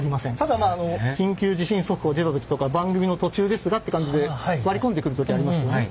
ただまあ緊急地震速報が出た時とか番組の途中ですがって感じで割り込んでくる時ありますよね。